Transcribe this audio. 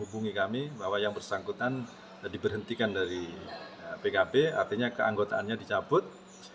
bahwa yang bersangkutan diberhentikan dari pkb artinya keanggotaannya dicabut